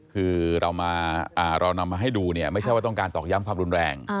คือเรานำมาให้ดูเนี่ยไม่ใช่ว่าต้องการตอกย้ำความรุนแรง